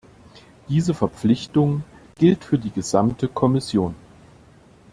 Diese Verpflichtung gilt für die gesamte Kommission.